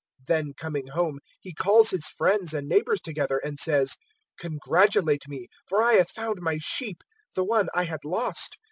015:006 Then coming home he calls his friends and neighbours together, and says, `Congratulate me, for I have found my sheep the one I had lost.'